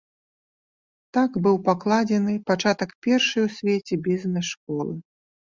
Так быў пакладзены пачатак першай у свеце бізнес-школы.